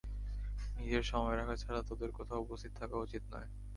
নিজের সময়রেখা ছাড়া তোদের কোথাও উপস্থিত থাকা উচিত নয়।